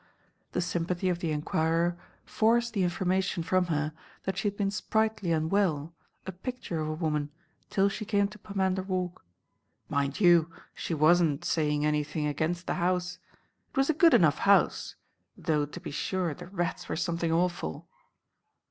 The sympathy of the enquirer forced the information from her that she had been sprightly and well, a picture of a woman, till she came to Pomander Walk. Mind you, she was n't saying anything against the house. It was a good enough house; though, to be sure, the rats were something awful.